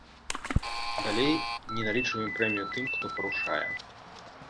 Далей, не налічваем прэмію тым, хто парушае.